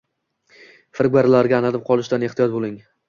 Firibgarlarga aldanib qolishdan ehtiyot bo‘ling